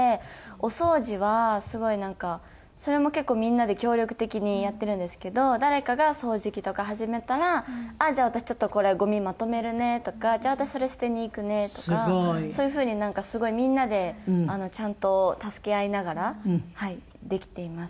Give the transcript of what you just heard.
お掃除はすごいなんかそれも結構みんなで協力的にやってるんですけど誰かが掃除機とか始めたら「あっじゃあ私ちょっとこれごみまとめるね」とか「じゃあ私それ捨てに行くね」とかそういう風にすごいみんなでちゃんと助け合いながらできています